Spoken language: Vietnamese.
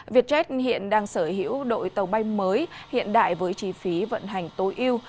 vietjet hiện đang sở hữu đội tàu bay mới hiện đại với chi phí vận hành tối yêu